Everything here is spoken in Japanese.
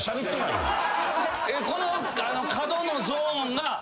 この角のゾーンが。